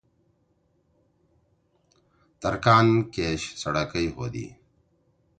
ترکان کیش څڑکئی ہودُو۔